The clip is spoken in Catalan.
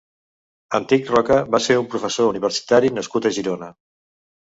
Antic Roca va ser un professor Universitari nascut a Girona.